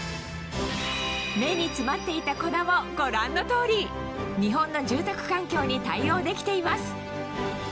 目に詰まっていた粉もご覧の通り日本の住宅環境に対応できています